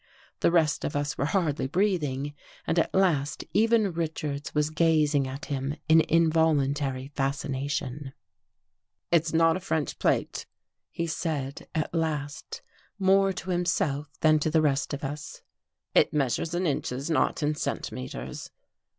The rest of us were hardly breathing, and at last even Richards was gazing at him in involuntary fascination. 269 THE GHOST GIRL " It's not a French plate," he said at last, more to himself than to the rest of us. " It measures in inches, not in centimeters."